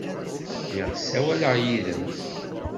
Lliɣ ssawaleɣ yid-m.